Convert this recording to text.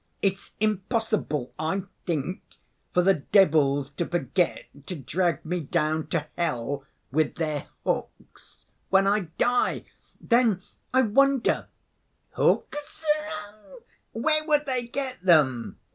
It's impossible, I think, for the devils to forget to drag me down to hell with their hooks when I die. Then I wonder—hooks? Where would they get them?